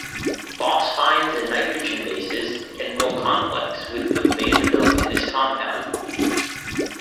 Phosphines and nitrogen bases can form complexes with the vanadium in this compound.